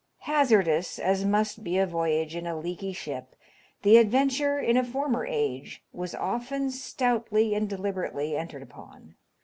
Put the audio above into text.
Hazardous as must be a voyage in a leaky ship, the adventure, in a former age, was often stoutly and deliberately entered upon.